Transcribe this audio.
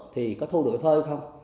thì có thu được phơi không